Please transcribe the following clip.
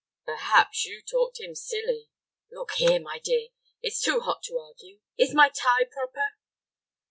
"Perhaps you talked him silly." "Look here, my dear, it's too hot to argue. Is my tie proper?"